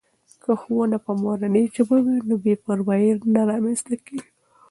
که ښوونه په مورنۍ ژبه وي نو بې پروایي نه رامنځته کېږي.